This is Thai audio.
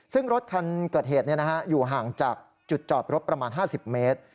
ซึ่งรถคันเกิดเหตุอยู่ห่างจากจุดจอดรถประมาณ๕๐เมตร